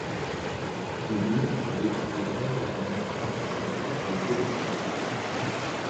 Chose inhabituelle, le chœur de chambre chante dans toutes les directions.